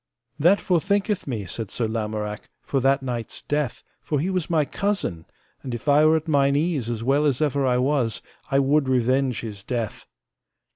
That forthinketh me, said Sir Lamorak, for that knight's death, for he was my cousin; and if I were at mine ease as well as ever I was, I would revenge his death.